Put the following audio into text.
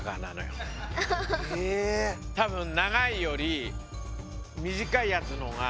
多分長いより短いやつの方が。